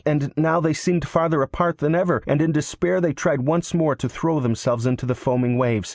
And now they seemed farther apart than ever, and in despair they tried once more to throw themselves into the foaming waves.